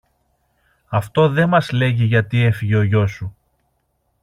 Αυτό δε μας λέγει γιατί έφυγε ο γιος σου